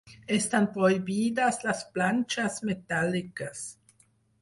Estan prohibides les planxes metàl·liques.